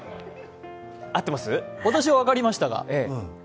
私は分かりましたが。